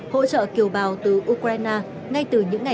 hỗ trợ kiều bào từ ukraine